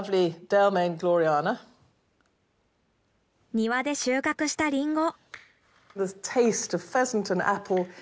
庭で収穫したリンゴ。